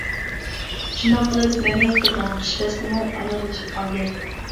شۇنداق قىلىپ مەن ياقتۇرىدىغان قىش پەسلىمۇ ئاياغلىشىپ قالدى.